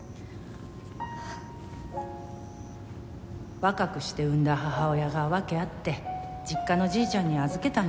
若くして産んだ母親が訳あって実家のじいちゃんに預けたの。